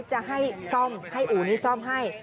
จะให้ซ่อมให้อู่นี้ซ่อมให้